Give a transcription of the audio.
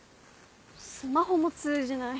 スマホも通じない。